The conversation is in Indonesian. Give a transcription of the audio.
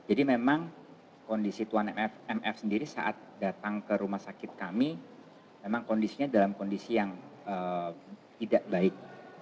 jadi memang kondisi tuan mf sendiri saat datang ke rumah sakit kami memang kondisinya dalam kondisi yang tidak baik